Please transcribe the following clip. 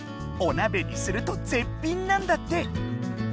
おなべにすると絶品なんだって！